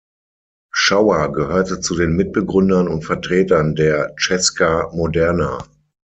Schauer gehörte zu den Mitbegründern und Vertretern der Česká moderna.